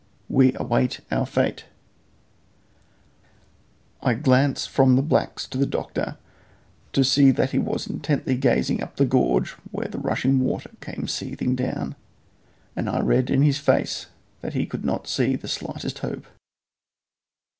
WE AWAIT OUR FATE. I glanced from the blacks to the doctor, to see that he was intently gazing up the gorge where the rushing water came seething down, and I read in his face that he could not see the slightest hope.